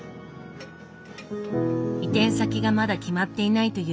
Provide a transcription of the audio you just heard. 移転先がまだ決まっていないというこのお店。